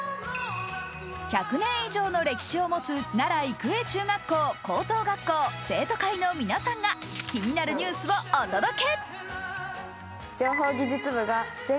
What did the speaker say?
１００年以上の歴史を持つ奈良育成中学校・高等学校の生徒会の皆さんが気になるニュースをお届け。